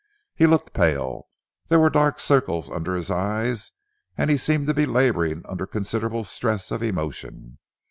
He looked pale, there were dark circles under his eyes, and he seemed to be labouring under considerable stress of emotion.